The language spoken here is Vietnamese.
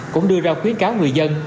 cũng đưa ra khuyến cáo người dân